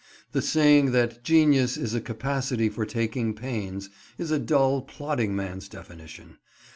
The saying that "genius is a capacity for taking pains" is a dull, plodding man's definition.